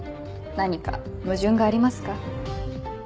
何か矛盾がありますか？